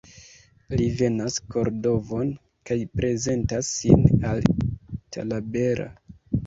Li venas Kordovon kaj prezentas sin al Talabera.